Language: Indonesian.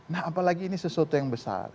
nah apalagi ini sesuatu yang besar